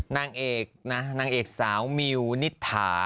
นางเอกนะนางเอกสาวมิวนิษฐา